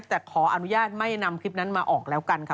แต่ขออนุญาตไม่นำคลิปนั้นมาออกแล้วกันค่ะ